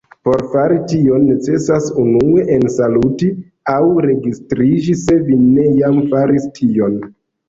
Por fari tion necesas unue ensaluti aŭ registriĝi, se vi ne jam faris tion.